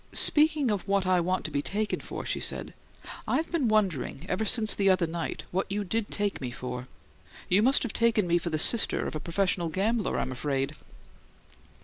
"Speaking of what I want to be taken for," she said; "I've been wondering ever since the other night what you did take me for! You must have taken me for the sister of a professional gambler, I'm afraid!"